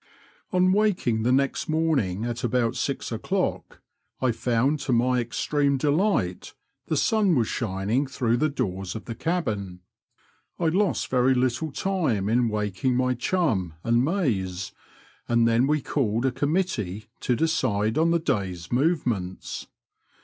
On waking the next morning at about six o'clock, I found, to my extreme delight, the sun was shining through the doors of the cabin. I lost very little time in waking my chum and Mayes, and then we called a committee to decide on the day's movements.